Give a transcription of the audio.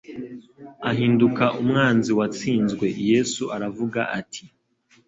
ahinduka umwanzi watsinzwe. Yesu aravuga ati,